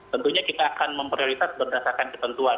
tentunya kita akan memprioritas berdasarkan ketentuan